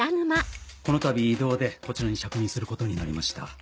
このたび異動でこちらに着任することになりました。